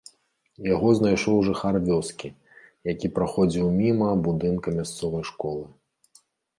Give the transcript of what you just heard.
Яго знайшоў жыхар вёскі, які праходзіў міма будынка мясцовай школы.